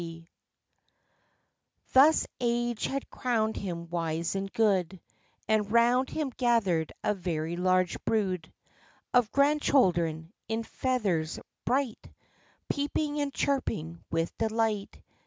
Thus age had crowned him wise and good, And round him gathered a very large brood Of grandchildren, in feathers bright, Peeping and chirping with delight.